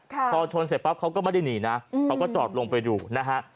พอชนเสร็จปั๊บเขาก็ไม่ได้หนีนะเขาก็จอดลงไปดูนะฮะ